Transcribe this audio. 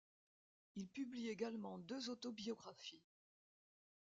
Il publie également deux autobiographies.